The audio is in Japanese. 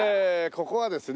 ここはですね